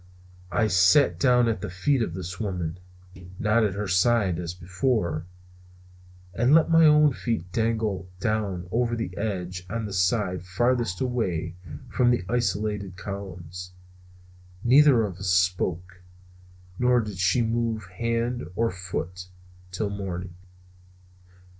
I sat down at the feet of this woman not at her side, as before and let my own feet dangle down over the edge on the side farthest away from the isolated columns. Neither of us spoke; nor did she move hand or foot till morning.